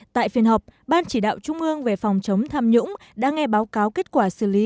tại phiên họp ban chỉ đạo trung ương về phòng chống tham nhũng đã nghe báo cáo kết quả xử lý